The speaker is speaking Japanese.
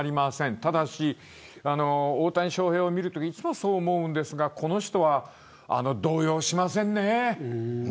ただし大谷翔平を見るといつも、そう思うんですがこの人は動揺しませんね。